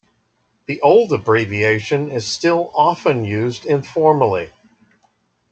The old abbreviation is still often used informally.